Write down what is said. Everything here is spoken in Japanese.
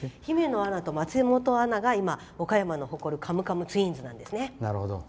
姫野アナと松本アナが今、岡山の誇るカムカムツインズなんですね。